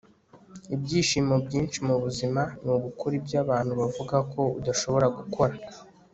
ibyishimo byinshi mu buzima ni ugukora ibyo abantu bavuga ko udashobora gukora